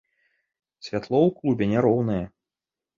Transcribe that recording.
Святло ў клубе няроўнае.